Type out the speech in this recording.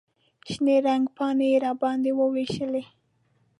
شنې رنګې پاڼې یې راباندې ووېشلې.